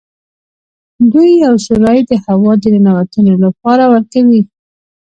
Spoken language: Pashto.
دوی یو سوری د هوا د ننوتلو لپاره ورکوي.